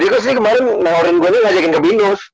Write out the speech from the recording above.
dia kan kemarin nawarin gue aja ngajakin ke bino